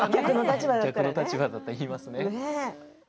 逆の立場だったら言いますね。